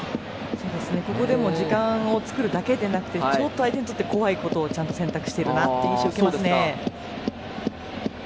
ここでも時間を作るだけでなくて相手にとって、怖いことをちゃんと選択している印象を受けますね。